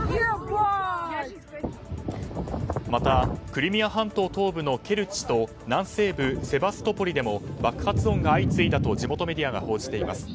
また、クリミア半島東部のケルチと南西部セバストポリでも爆発音が相次いだと地元メディアが報じています。